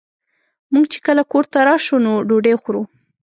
مونږ چې کله کور ته راشو نو ډوډۍ خورو